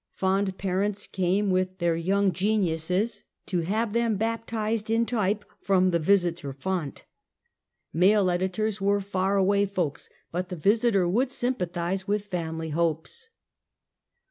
Fond parents came with their young geniuses to have them baptized in type 10 146 Half a Century. from the Visiter font. Male editors were far away folks, but the Visiter would sympathize with family hopes.